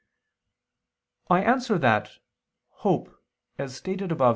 I answer that, Hope, as stated above (A.